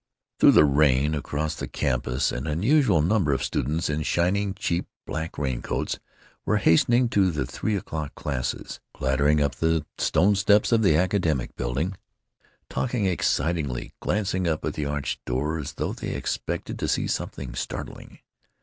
Through the rain, across the campus, an unusual number of students in shining, cheap, black raincoats were hastening to the three o'clock classes, clattering up the stone steps of the Academic Building, talking excitedly, glancing up at the arched door as though they expected to see something startling.